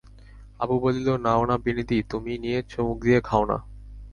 অপু বলিল, নাও না বিনিদি, তুমি নিয়ে চুমুক দিয়ে খাও না!